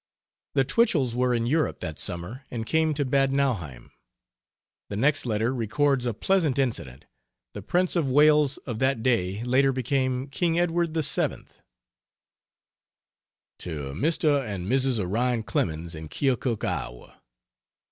The Twichells were in Europe that summer, and came to Bad Nauheim. The next letter records a pleasant incident. The Prince of Wales of that day later became King Edward VII. To Mr. and Mrs. Orion Clemens, in Keokuk, Iowa.